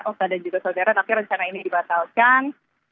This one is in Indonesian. osa dan juga saudara tapi rencana ini dibatalkan